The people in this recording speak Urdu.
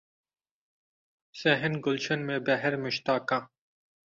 صحن گلشن میں بہر مشتاقاں